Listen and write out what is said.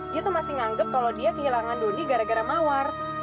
dia tuh masih nganggep kalau dia kehilangan dodi gara gara mawar